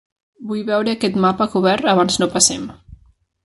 Vull veure aquest mapa cobert abans no passem!